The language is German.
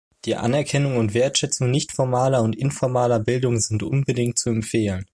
Die Anerkennung und Wertschätzung nicht formaler und informaler Bildung sind unbedingt zu empfehlen.